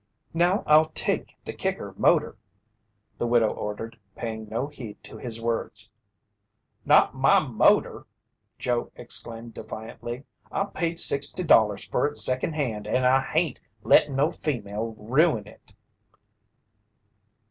"Now I'll take the kicker motor," the widow ordered, paying no heed to his words. "Not my motor!" Joe exclaimed defiantly. "I paid sixty dollars fer it secondhand and I hain't lettin' no female ruin it."